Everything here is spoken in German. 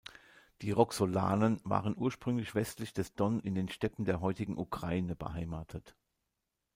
Die Roxolanen waren ursprünglich westlich des Don in den Steppen der heutigen Ukraine beheimatet.